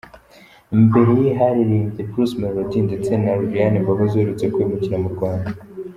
Mbere ye haririmbye Bruce Melodie ndetse na Lilian Mbabazi, uherutse kwimukira mu Rwanda.